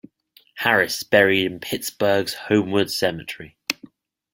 Harris is buried in Pittsburgh's Homewood Cemetery.